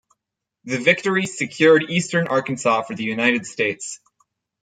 The victory secured eastern Arkansas for the United States.